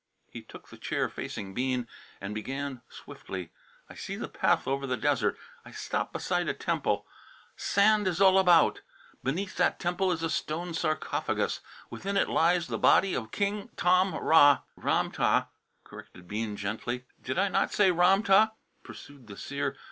He took the chair facing Bean and began swiftly: "I see the path over the desert. I stop beside a temple. Sand is all about. Beneath that temple is a stone sarcophagus. Within it lies the body of King Tam rah " "Ram tah!" corrected Bean gently. "Did I not say Ram tah?" pursued the seer.